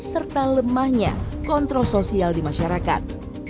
serta lemahnya kontrol sosial di masyarakat